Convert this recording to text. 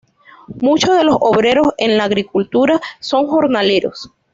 Muchos de los obreros en la agricultura son jornaleros.